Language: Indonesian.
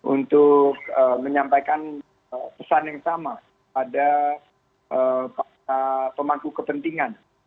untuk menyampaikan pesan yang sama pada pemangku kepentingan